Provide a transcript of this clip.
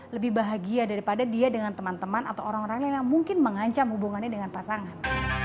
lebih bahagia daripada dia dengan teman teman atau orang orang lain yang mungkin mengancam hubungannya dengan pasangan